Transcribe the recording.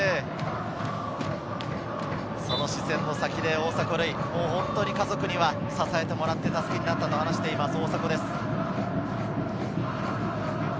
その視線の先で大迫塁、家族には支えてもらって助けになったと話していました、大迫です。